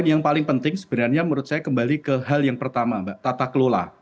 yang paling penting sebenarnya menurut saya kembali ke hal yang pertama mbak tata kelola